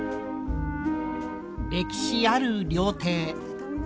歴史ある料亭。